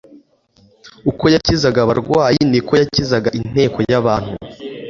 Uko yakizaga abarwayi niko yakizaga inteko y'abantu.